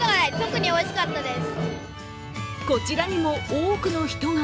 こちらにも多くの人が。